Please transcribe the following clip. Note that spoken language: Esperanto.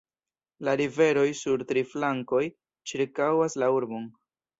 La riveroj sur tri flankoj ĉirkaŭas la urbon.